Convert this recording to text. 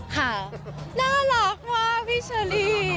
ค่ะน่ารักมากพี่เชอรี่